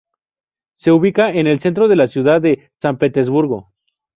Se ubica en el centro de la ciudad de San Petersburgo.